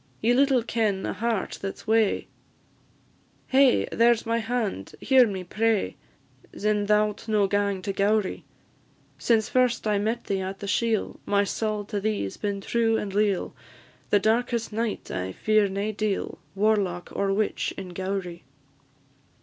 Ye little ken a heart that 's wae; Hae! there 's my hand; hear me, I pray, Sin' thou 'lt no gang to Gowrie: Since first I met thee at the shiel, My saul to thee 's been true and leal; The darkest night I fear nae deil, Warlock, or witch in Gowrie.